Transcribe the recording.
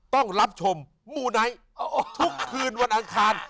ต้องรับชมมูไนท์ทุกคืนวันอังคาร